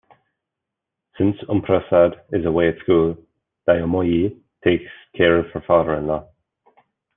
Since Umaprasad is away at school, Dayamoyee takes care of her father-in-law.